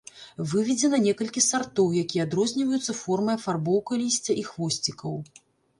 Выведзена некалькі сартоў, якія адрозніваюцца формай афарбоўкай лісця і хвосцікаў.